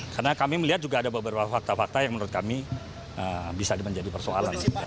karena kami melihat juga ada beberapa fakta fakta yang menurut kami bisa menjadi persoalan